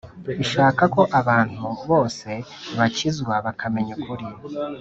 ishaka ko abantu bose bakizwa bakamenya ukuri.